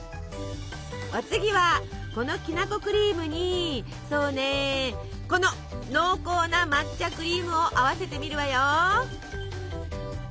お次はこのきなこクリームにそうねこの濃厚な抹茶クリームを合わせてみるわよ！